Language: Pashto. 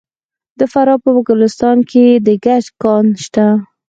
د فراه په ګلستان کې د ګچ کان شته.